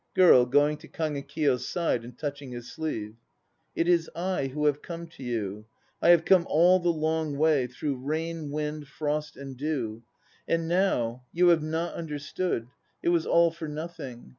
GIRL (going to KAGEKIYO'S side and touching his sleeve). It is I who have come to you. I have come all the long way, Through rain, wind, frost and dew. And now you have not understood; it was all for nothing.